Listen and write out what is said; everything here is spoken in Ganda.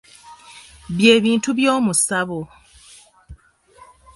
Bye bintu by'omu ssabo.